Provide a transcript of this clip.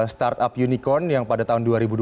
startup unicorn yang pada tahun